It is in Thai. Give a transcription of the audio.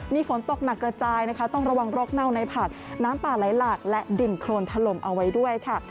มีฝนตกหนักกระจายนะคะต้องระวังโรคเน่าในผักน้ำป่าไหลหลากและดินโครนถล่มเอาไว้ด้วยค่ะ